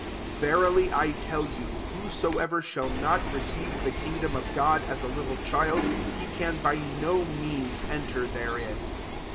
17 Verily I tdl you, Whosoever shall not receive the kingdom of God as a little child, he can by no means ea ter therein."